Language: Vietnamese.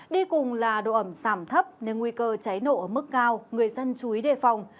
đi cùng là độ ẩm giảm thấp nên nguy cơ cháy nổ ở mức cao người dân chú ý đề phòng